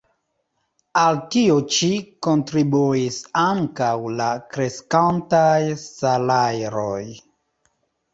Al tio ĉi kontribuis ankaŭ la kreskantaj salajroj.